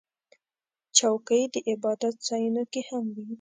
چوکۍ د عبادت ځایونو کې هم وي.